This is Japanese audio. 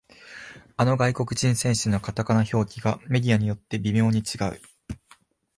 あの外国人選手のカタカナ表記がメディアによって微妙に違う